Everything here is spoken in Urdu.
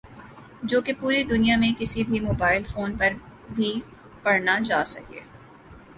جو کہ پوری دنیا میں کِسی بھی موبائل فون پر بھی پڑھنا جاسکیں